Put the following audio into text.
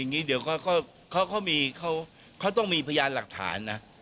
คอยอย่างนี้เขาต้องมีพยานหลักฐานนะ